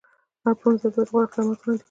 هر پلورنځی باید غوره خدمات وړاندې کړي.